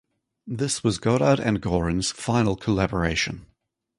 This was Godard and Gorin's final collaboration.